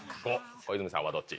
小泉さんはどっち？